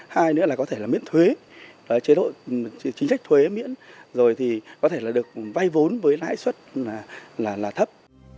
hai nữa là có thể miễn thuế chính sách thuế miễn rồi có thể được vay vốn với lãi suất thấp